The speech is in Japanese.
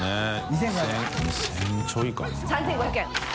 ３５００円。